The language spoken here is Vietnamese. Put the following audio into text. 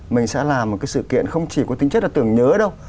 mình sẽ làm một cái sự kiện không chỉ có tính chất là tưởng nhớ đâu